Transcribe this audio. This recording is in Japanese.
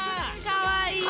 かわいい！